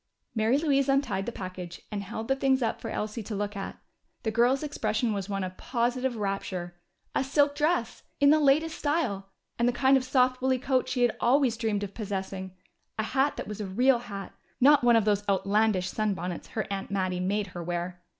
Mary Louise untied the package and held the things up for Elsie to look at. The girl's expression was one of positive rapture. A silk dress! In the latest style! And the kind of soft wooly coat she had always dreamed of possessing! A hat that was a real hat not one of those outlandish sunbonnets her aunt Mattie made her wear!